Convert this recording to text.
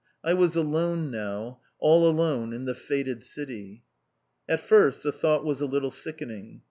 I was alone now, all alone in the fated city. At first, the thought was a little sickening.